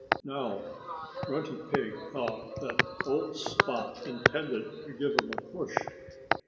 Now, Grunty Pig thought that old Spot intended to give him a push.